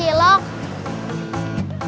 ya udah aku mau pake